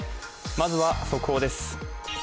まずは速報です。